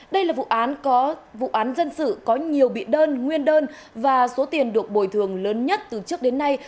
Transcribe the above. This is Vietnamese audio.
đây là vụ án dân sự có nhiều bị đơn nguyên đơn và số tiền được bồi thường lớn nhất từ trước đến nay